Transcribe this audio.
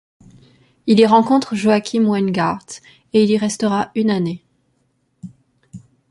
Il y rencontre Joachim Weingart et il y restera une année.